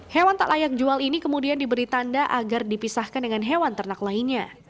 hewan tak layak jual ini kemudian diberi tanda agar dipisahkan dengan hewan ternak lainnya